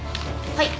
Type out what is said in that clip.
はい。